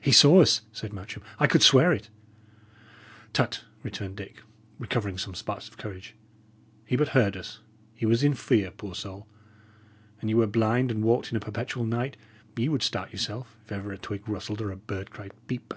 "He saw us," said Matcham. "I could swear it!" "Tut!" returned Dick, recovering some sparks of courage. "He but heard us. He was in fear, poor soul! An ye were blind, and walked in a perpetual night, ye would start yourself, if ever a twig rustled or a bird cried 'Peep.'"